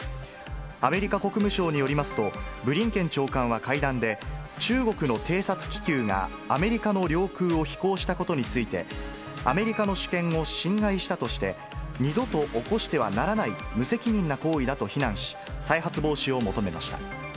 アメリカ国務省によりますと、ブリンケン長官は会談で、中国の偵察気球が、アメリカの領空を飛行したことについて、アメリカの主権を侵害したとして、二度と起こしてはならない無責任な行為だと非難し、再発防止を求めました。